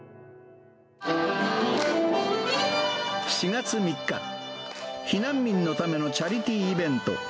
４月３日、避難民のためのチャリティーイベント。